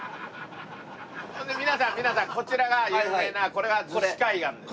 で皆さん皆さんこちらが有名なこれが逗子海岸です。